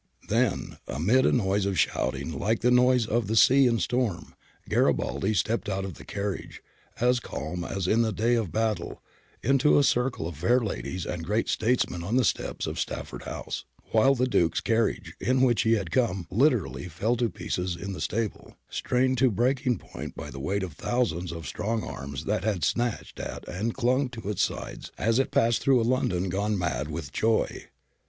Then amid a noise of shouting like the noise of the sea in storm Garibaldi stepped out of the carriage, as calm as in the day of battle, into a circle of fair ladies and great states men on the steps of Stafford House, while the Duke's carriage in which he had come, literally fell to pieces in he stab e, strained to breaking point by the weight of thousands of strong arms that had snatched at and clung to Its sides as it passed through a London gone mad with joy.